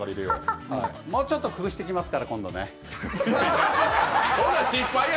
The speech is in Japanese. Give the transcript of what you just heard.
もうちょっと工夫してきますからね、今度ね。